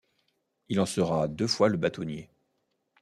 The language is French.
Il en sera deux fois le bâtonnier.